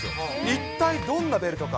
一体どんなベルトか。